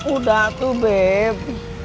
udah tuh beb